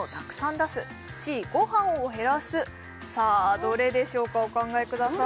どれでしょうかお考えください